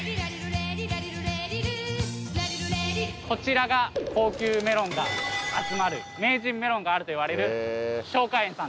こちらが高級メロンが集まる名人メロンがあるといわれる。